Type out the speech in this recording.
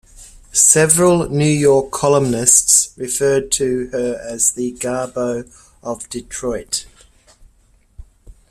Several New York columnists referred to her as the "Garbo of Detroit".